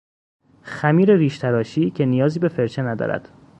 خمیر ریشتراشی که نیازی به فرچه ندارد